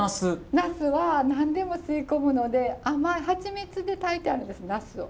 ナスは何でも吸い込むので甘いハチミツで炊いてあるんですナスを。